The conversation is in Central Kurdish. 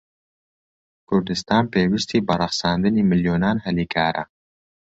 کوردستان پێویستیی بە ڕەخساندنی ملیۆنان هەلی کارە.